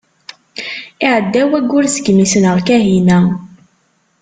Iɛedda wayyur segmi i ssneɣ Kahina.